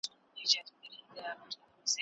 د ماشوم د لاس نوکان پاک پرې کړئ.